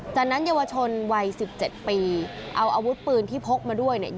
จากนั้นเยาวชนวัย๑๗ปีเอาอาวุธปืนที่พกมาด้วยเนี่ย